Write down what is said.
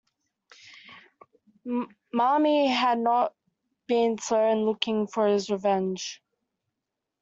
Marmie had not been slow in looking for his revenge.